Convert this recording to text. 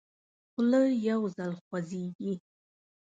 خوله یو ځل خوځي.